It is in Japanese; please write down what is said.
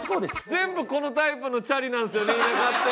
全部このタイプのチャリなんですよね田舎って。